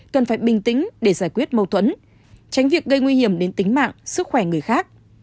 cần phải bình tĩnh để giải quyết mâu thuẫn tránh việc gây nguy hiểm đến tính mạng sức khỏe người khác